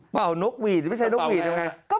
เป่านกหวีดไม่ใช้นกหวีดได้ไหม